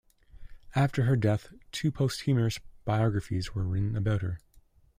After her death, two posthumous biographies were written about her.